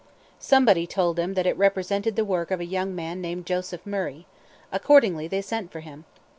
Somebody told them that it represented the work of a young man named Joseph Murray. Accordingly they sent for him.